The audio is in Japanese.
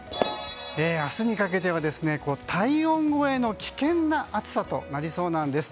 明日にかけては体温超えの危険な暑さとなりそうなんです。